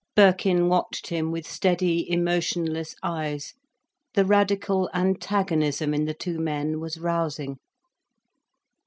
Birkin watched him with steady emotionless eyes. The radical antagnoism in the two men was rousing.